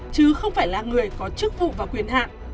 chứ không phải là người có chức vụ và quyền hạn